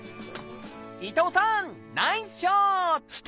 伊藤さんナイスショット！